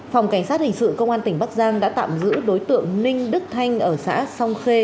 phòng cảnh sát hình sự công an tỉnh bắc giang đã tạm giữ đối tượng ninh đức thanh ở xã song khê